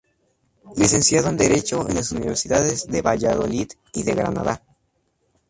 Licenciado en Derecho en las universidades de Valladolid y de Granada.